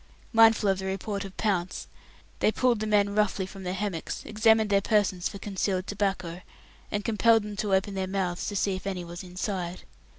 Mindful of the report of Pounce, they pulled the men roughly from their hammocks, examined their persons for concealed tobacco, and compelled them to open their mouths to see if any was inside.